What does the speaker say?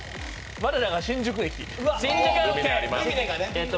我らが新宿駅。